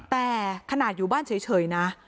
แต่ขนาดอยู่บ้านเฉยนะ